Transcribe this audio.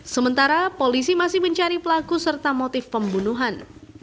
sementara polisi masih mencari pelaku serta motif pembunuhan